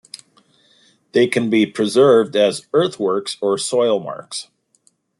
They can be preserved as earthworks or soil marks.